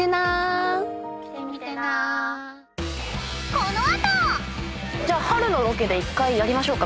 ［この後］じゃ春のロケで１回やりましょうか？